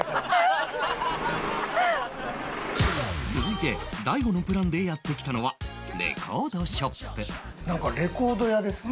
続いて大悟のプランでやって来たのはレコードショップなんかレコード屋ですね。